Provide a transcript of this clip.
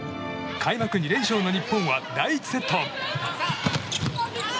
開幕２連勝の日本は第１セット。